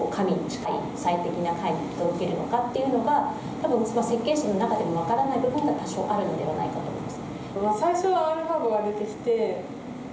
多分設計士の中でも分からない部分が多少あるのではないかと思います。